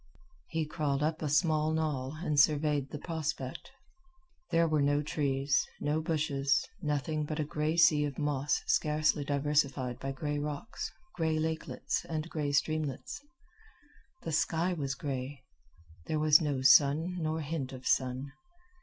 He crawled up a small knoll and surveyed the prospect. There were no trees, no bushes, nothing but a gray sea of moss scarcely diversified by gray rocks, gray lakelets, and gray streamlets. The sky was gray. There was no sun nor hint of sun.